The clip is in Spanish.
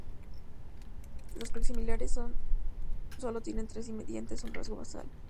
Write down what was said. Los premaxilares solo tienen tres dientes, un rasgo basal.